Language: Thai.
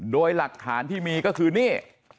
โดยหลักฐานที่มีก็คือนี่